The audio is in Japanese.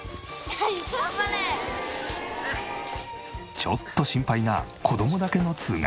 ちょっと心配な子供だけの通学。